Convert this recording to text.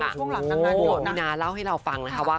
โมอามีนาเล่าให้เราฟังนะคะว่า